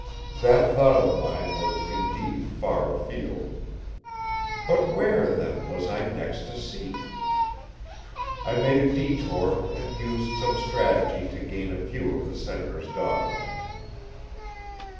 That thought of mine was indeed far afield. But where, then, was I next to seek? I made a detour and used some strategy to gain a view of the Senator's daughters.